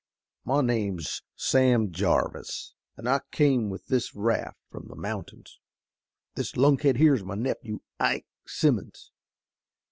My name's Sam Jarvis, an' I came with this raft from the mountains. This lunkhead here is my nephew, Ike Simmons.